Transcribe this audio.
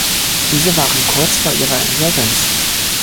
Diese waren kurz vor ihrer Insolvenz.